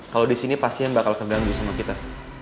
kalau di sini pasien bakal terganggu sama kita